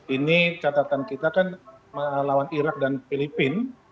ini catatan kita kan melawan irak dan filipina